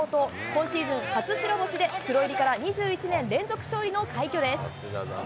今シーズン初白星で、プロ入りから２１年連続勝利の快挙です。